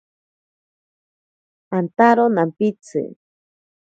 Antaro nampitsi.